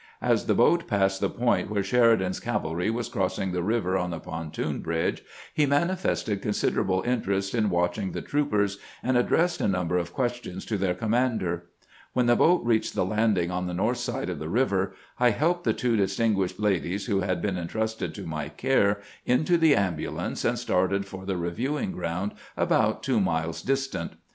As the boat passed the point where Sheridan's cavalry was crossing the river on the pon toon bridge, he manifested considerable interest in watching the troopers, and addressed a number of ques tions to their commander. When the boat reached the landing on the north side of the river, I helped the two distinguished ladies who had been intrusted to my care into the ambulance, and started for the reviewing ground, about two miles distant.